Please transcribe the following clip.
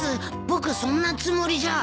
僕そんなつもりじゃ。